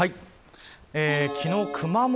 昨日、熊本